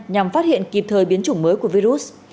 nhằm phát hiện kịp thời biến chủng mới của virus